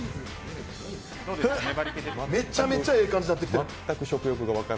めちゃめちゃええ感じになってる！